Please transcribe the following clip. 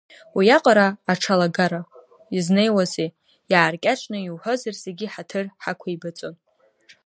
Уиаҟара аҽалагара иазнауазеи, иааркьаҿны иуҳәозар зегьы ҳаҭыр ҳақәеибаҵон.